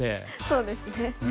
そうですね。